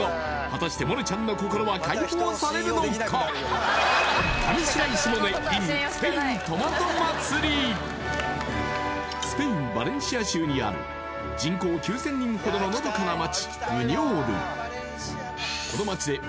果たしてスペインバレンシア州にある人口９０００人ほどののどかな街ブニョール